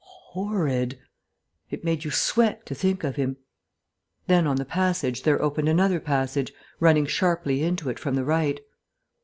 ... Horrid.... It made you sweat to think of him. Then on the passage there opened another passage, running sharply into it from the right.